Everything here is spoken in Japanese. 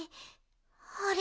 あれ？